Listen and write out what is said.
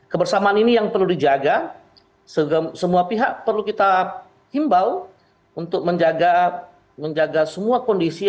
kebersamaan ini yang perlu dijaga semua pihak perlu kita himbau untuk menjaga semua kondisi